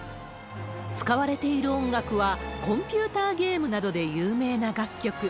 使われている音楽は、コンピューターゲームなどで有名な楽曲。